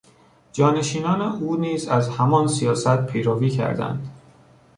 جانشینان او نیز از همان سیاست پیروی کردند.